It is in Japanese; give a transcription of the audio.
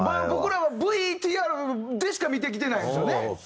僕らはＶＴＲでしか見てきてないんですよね。